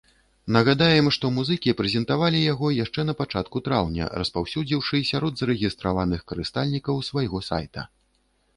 Нагадаем, што музыкі прэзентавалі яго яшчэ напачатку траўня, распаўсюдзіўшы сярод зарэгістраваных карыстальнікаў свайго сайта.